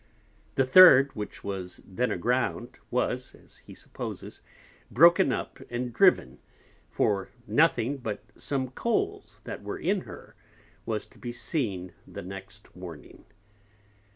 The third, which was then a ground, was (as he supposes) broken up and driven; for nothing, but some Coals that were in her, was to be seen the next Morning.